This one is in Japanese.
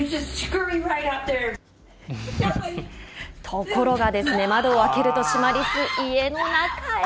ところがですね、窓を開けるとシマリス、家の中へ。